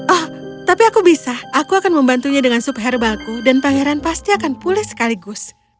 oh tapi aku bisa aku akan membantunya dengan subh herbaku dan pangeran pasti akan pulih sekaligus